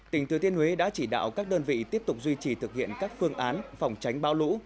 tỉnh thừa thiên huế đã chỉ đạo các đơn vị tiếp tục duy trì thực hiện các phương án phòng tránh bão lũ